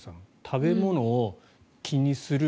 食べ物を気にする。